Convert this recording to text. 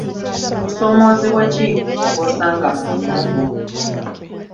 Kusoomoozebwa ki kw'osanga mu mulimu gwo?